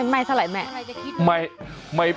ไม่ถ้าร้ายแม่